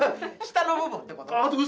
下の部分ってこと？